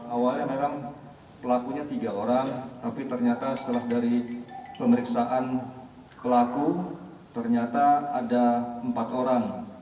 awalnya memang pelakunya tiga orang tapi ternyata setelah dari pemeriksaan pelaku ternyata ada empat orang